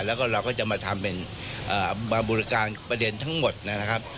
แล้วก็เราก็จะมาทำเป็นมาบริการประเด็นทั้งหมดนะครับ